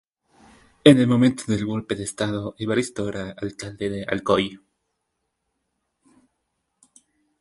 En el momento del golpe de estado Evaristo era alcalde de Alcoy.